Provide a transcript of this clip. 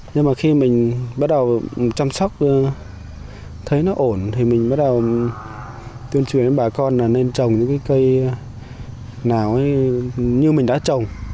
nhưng mà khi mình bắt đầu chăm sóc thấy nó ổn thì mình bắt đầu tuyên truyền đến bà con là nên trồng những cái cây nào như mình đã trồng